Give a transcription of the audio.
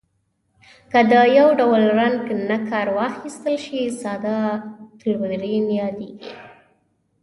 که د یو ډول رنګ نه کار واخیستل شي ساده تلوین یادیږي.